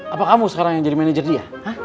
apa kamu sekarang yang jadi manajer dia